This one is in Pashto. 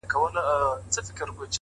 کوښښ د استعداد کمښت پوره کوي؛